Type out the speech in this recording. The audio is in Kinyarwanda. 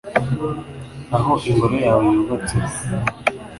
aho Ingoro yawe yubatse